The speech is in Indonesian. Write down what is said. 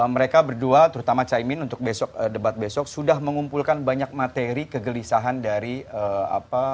mereka berdua terutama caimin untuk besok debat besok sudah mengumpulkan banyak materi kegelisahan dari apa